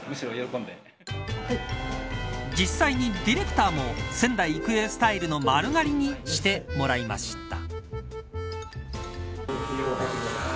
実際にディレクターも仙台育英スタイルの丸刈りにしてもらいました。